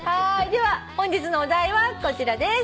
では本日のお題はこちらです。